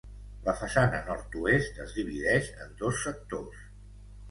La façana nord-oest es divideix en dos sectors.